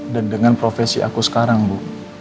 dan dengan profesi aku sekarang bu